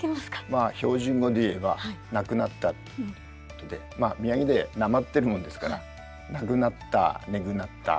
まあ標準語で言えば「なくなった」っていうことで宮城でなまってるもんですからなくなったねぐなったー。